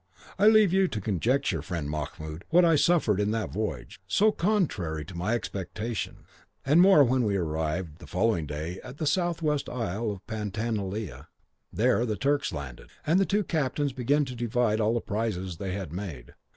I leave you to conjecture, friend Mahmoud, what I suffered in that voyage, so contrary to my expectation, and more when we arrived the following day at the south west of the isle of Pantanalea. There the Turks landed, and the two captains began to divide all the prizes they had made.